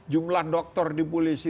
jumlah dokter di polisi